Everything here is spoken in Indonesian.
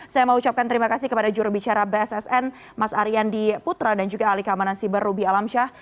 saya mau ucapkan terima kasih kepada jurubicara bssn mas aryandi putra dan juga ahli keamanan siber rubi alamsyah